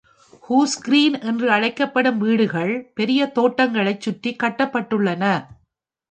Goose Green என்று அழைக்கப்படும் வீடுகள் பெரிய தோட்டங்களை சுற்றி கட்டப்பட்டுள்ளன.